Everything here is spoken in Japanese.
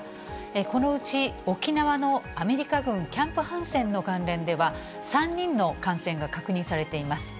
このうち沖縄のアメリカ軍キャンプ・ハンセンの関連では、３人の感染が確認されています。